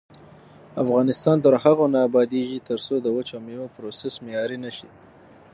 افغانستان تر هغو نه ابادیږي، ترڅو د وچو میوو پروسس معیاري نشي.